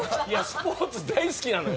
スポーツ大好きなのよ。